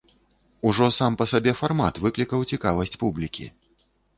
Ужо сам па сабе фармат выклікаў цікавасць публікі.